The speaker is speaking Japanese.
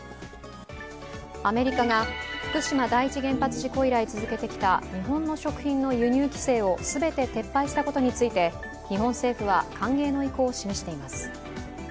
アメリカが福島第一原発事故以来続けてきた日本の食品の輸入規制を全て撤廃したことについて日本政府は歓迎の意向を示しています。